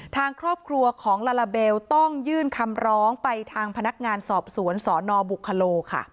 ทางครอบครัวของลาลาเบลต้องยื่นคำร้องไปทางพนักงานสอบสวนสนบุคโลค่ะ